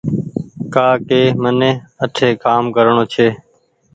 ڪآ ڪي مني آٺي ڪآم ڪرڻو ڇي